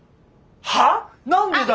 はあ⁉何でだよ。